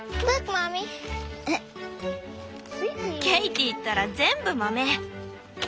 ケイティったら全部豆！